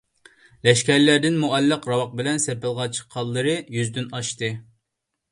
لەشكەرلەردىن مۇئەللەق راۋاق بىلەن سېپىلغا چىققانلىرى يۈزدىن ئاشتى.